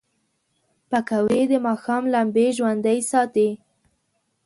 پکورې د ماښام لمبې ژوندۍ ساتي